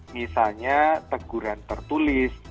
misalnya teguran tertulis